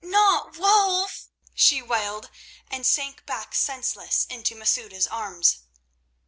Not Wulf!" she wailed, and sank back senseless into Masouda's arms.